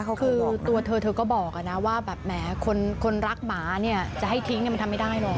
คือตัวเธอเธอก็บอกนะว่าแบบแหมคนรักหมาเนี่ยจะให้ทิ้งมันทำไม่ได้หรอก